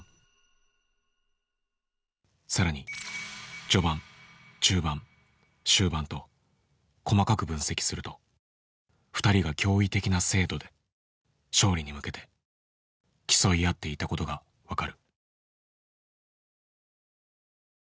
更に序盤・中盤・終盤と細かく分析すると２人が驚異的な精度で勝利に向けて競い合っていたことが分かる。